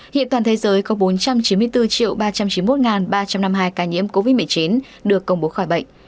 hiện toàn thế giới có bốn trăm chín mươi bốn ba trăm chín mươi một ba trăm năm mươi hai ca nhiễm covid một mươi chín được công bố khỏi bệnh